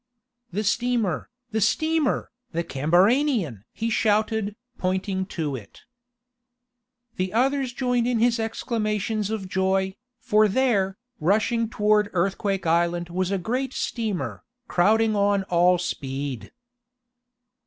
"The steamer! The steamer! The CAMBARANIAN!" he shouted, pointing to it. The others joined in his exclamations of joy, for there, rushing toward Earthquake Island was a great steamer, crowding on all speed!